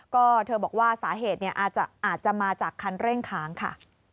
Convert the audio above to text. ก็เธอบอกว่าสาเหตุอาจจะมาจากคันเร่งค้างค่ะ